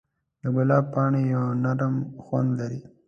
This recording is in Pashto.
د ګلاب پاڼې یو نرم خوند لري.